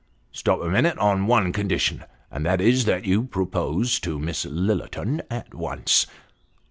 345 "Stop a minute on one condition; and that is, that yon propose to Miss Lillerton at once."